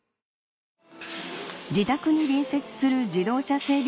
自宅に隣接する自動車整備